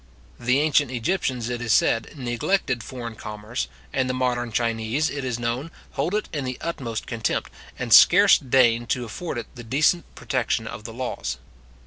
The ancient Egyptians, it is said, neglected foreign commerce, and the modern Chinese, it is known, hold it in the utmost contempt, and scarce deign to afford it the decent protection of the laws.